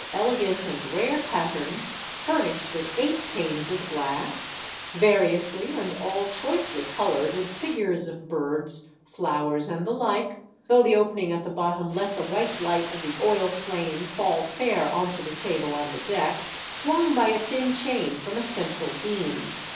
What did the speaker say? elegant and rare pattern, furnished with eight panes of glass, variously and all choicely coloured with figures of birds, flowers and the like, though the opening at the bottom let the white light of the oil fiame fall fair on to the table and the deck, swung by a thin chain from a central beam.